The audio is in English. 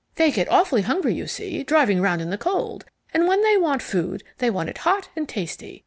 They get awfully hungry, you see, driving round in the cold, and when they want food they want it hot and tasty.